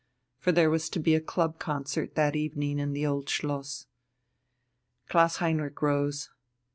For there was to be a club concert that evening in the Old Schloss. Klaus Heinrich rose.